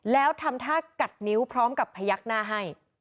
แล้วทำท่ากัดนิ้วพร้อมกับพยักหน้าให้